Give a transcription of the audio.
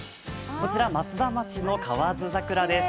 こちら松田町の河津桜です。